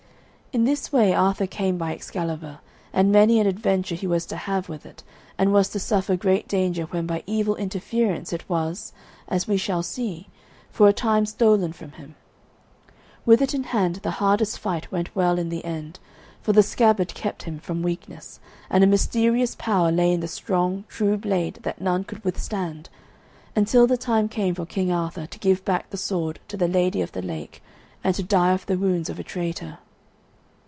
In this way Arthur came by Excalibur, and many an adventure he was to have with it, and was to suffer great danger when by evil interference it was, as we shall see, for a time stolen from him. With it in hand the hardest fight went well in the end, for the scabbard kept him from weakness, and a mysterious power lay in the strong, true blade that none could withstand, until the time came for King Arthur to give back the sword to the Lady of the Lake and to die of the wounds of a traitor.